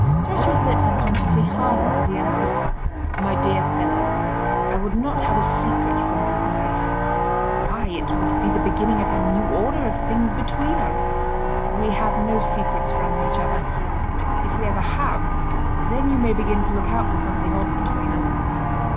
Joshua's lips unconsciously hardened as he answered: "My dear fellow, I would not have a secret from my wife. Why, it would be the beginning of a new order of things between us. We have no secrets from each other. If we ever have, then you may begin to look out for something odd between us."